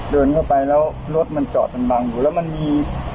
เดินเข้าไปแล้วรถมันจอดมันบังอยู่แล้วมันมี